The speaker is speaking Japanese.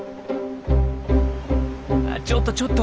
ちょっとちょっと！